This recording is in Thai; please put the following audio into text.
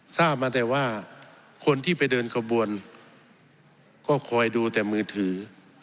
ทราบมาแต่ว่าคนที่ไปเดินขบวนก็คอยดูแต่มือถือ